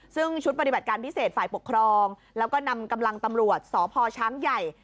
ซึ่งชุดปฏิบัติการพิเศษฝ่ายปกครองแล้วก็นำกำลังตำรวจสพช้างใหญ่